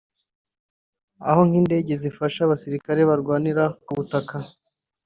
aho nk’indege zifasha abasirikare barwanira ku butaka